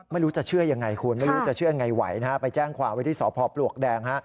ไม่รู้จะเชื่อยังไงคุณไม่รู้จะเชื่อยังไงไหวนะไปแจ้งความวิทยาศาสตร์พปลวกแดง